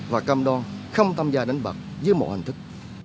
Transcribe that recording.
và cơm đo không tham gia đánh bạc dưới mọi hành thức